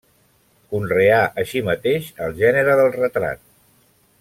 Conreà així mateix el gènere del retrat.